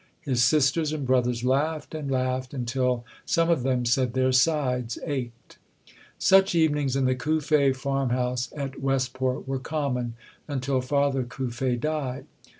His sisters and brothers laughed and laughed until some of them said their sides ached. Such evenings in the Cuffe farmhouse at West port were common until Father Cuffe died.